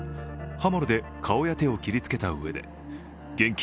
刃物で顔や手を切りつけたうえで現金